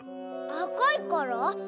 あかいから？